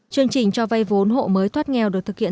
chương trình cho vay vốn hộ mới thoát nghèo được thực hiện